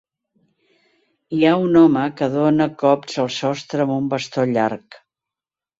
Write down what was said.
Hi ha un home que dona cops al sostre amb un bastó llarg.